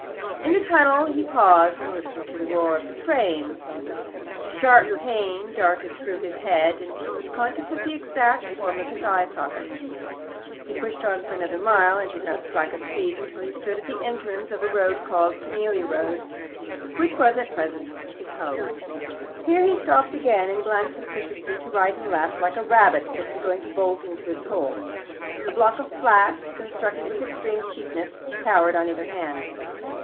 In the tunnel he paused and listened to the roar of the trains. A sharp pain darted through his head, and he was conscious of the exact form of his eye sockets. He pushed on for another mile, and did not slacken speed until he stood at the entrance of a road called Camelia Road, which was at present his home. Here he stopped again, and glanced suspiciously to right and left, like a rabbit that is going to bolt into its hole. A block of flats, constructed with extreme cheapness, towered on either hand.